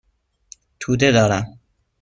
توده دارم.